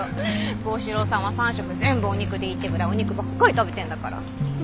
孝史郎さんは３食全部お肉でいいってぐらいお肉ばっかり食べてるんだから。